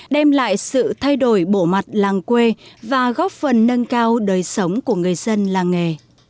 đem lại sự thay đổi bộ mặt làng quê và góp phần nâng cao đời sống của người dân làng nghề